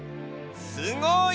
すごい！